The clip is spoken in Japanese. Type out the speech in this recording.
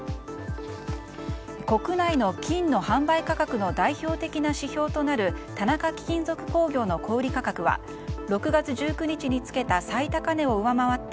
国内の金の販売価格の代表的な指標となる田中貴金属工業の小売価格は６月１９日に付けた最高値を上回って